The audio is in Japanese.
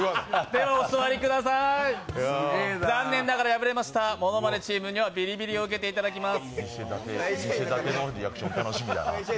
ではお座りください、残念ながら敗れましたものまねチームにはビリビリを受けていただきます。